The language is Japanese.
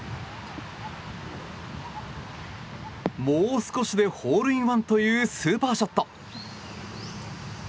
もう少しでホールインワンというスーパーショット。